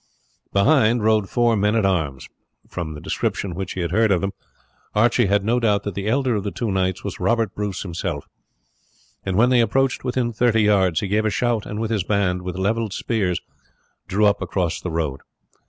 Behind rode four men at arms. From the description which he had heard of him Archie had no doubt that the elder of the two knights was Robert Bruce himself, and when they approached within thirty yards he gave a shout, and, with his band, with levelled spears, drew up across the road.